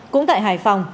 cũng tại hải phòng